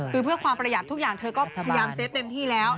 คือเพื่อความประหยัดทุกอย่างเธอก็พยายามเซฟเต็มที่แล้ว